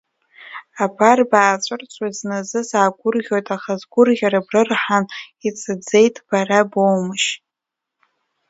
Абар баацәырҵуеит, зназы саагәырӷьоит, аха сгәырӷьара брырҳан, ицаӡеит, бара боумашь?